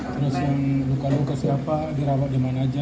terus yang luka luka siapa dirawat dimana saja